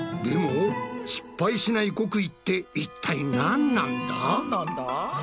でも失敗しない極意っていったいなんなんだ？